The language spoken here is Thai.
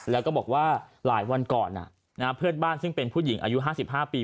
แล้วก็บอกว่าหลายวันก่อนเพื่อนบ้านซึ่งเป็นผู้หญิงอายุ๕๕ปี